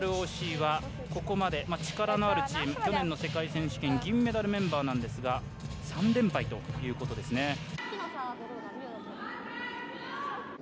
ＲＯＣはここまで力のあるチーム去年の世界選手権銀メダルメンバーなんですが３連敗ということですね。